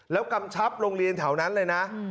แล้วกำชับโรงเรียนแถวนั้นเลยนะ